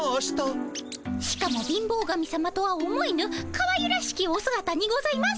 しかも貧乏神さまとは思えぬかわゆらしきおすがたにございます。